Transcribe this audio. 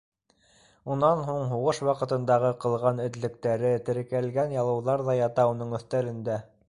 Унан һуң һуғыш ваҡытындағы ҡылған этлектәре теркәлгән ялыуҙар ҙа ята уның өҫтәлендә.